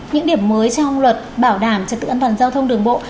những điểm mới trong luật bảo đảm trật tự an toàn giao thông đường bộ